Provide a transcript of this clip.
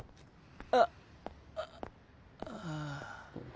あっああ。